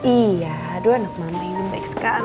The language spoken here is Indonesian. iya aduh anak mama ini baik sekali